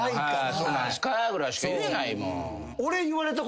そうなんすかぐらいしか言えない。